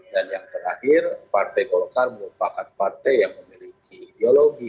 dan yang terakhir partai golkar merupakan partai yang memiliki ideologi